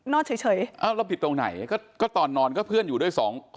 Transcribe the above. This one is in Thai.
นอนเฉยเฉยอ้าวแล้วผิดตรงไหนก็ก็ตอนนอนก็เพื่อนอยู่ด้วยสอง